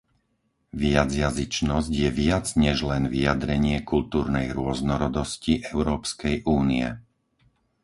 Viacjazyčnosť je viac než len vyjadrenie kultúrnej rôznorodosti Európskej únie.